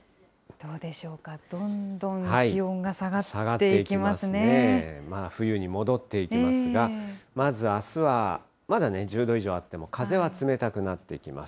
どんどん気温が下がっていきます下がっていきますね、冬に戻っていきますが、まずあすは、まだね、１０度以上あっても、風は冷たくなってきます。